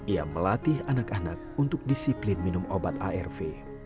ia melatih anak anak untuk disiplin minum obat arv